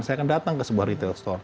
saya akan datang ke sebuah retail store